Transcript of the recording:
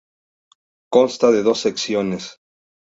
Consta de dos secciones.